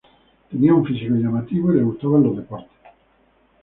Tenía un físico llamativo y le gustaban los deportes.